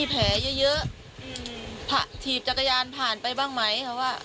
ผ่าถีบจักรยานผ่านไปบ้างไหม